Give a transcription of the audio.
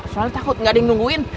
soalnya takut nggak ada yang nungguin